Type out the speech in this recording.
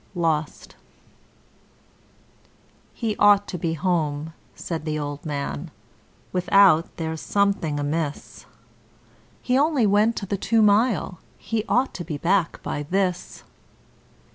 Lost 'He ought to be home,' said the old man, 'without there's something amiss. He only went to the Two mile he ought to be back by this.